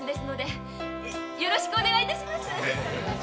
よろしくお願いします。